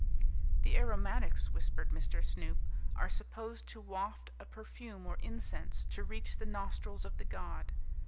"The aromatics," whispered Mr. Snoop, "are supposed to waft a perfume or incense to reach the nostrils of the god.